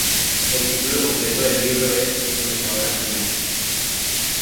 El título completo del libro es "Nuestra hora final.